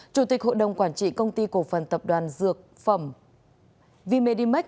chủ tịch hội đồng quản trị công ty cổ phần tập đoàn dược phẩm v medimax